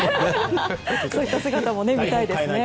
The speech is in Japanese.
そういった姿も見たいですね。